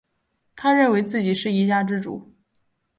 他认为自己是一家之主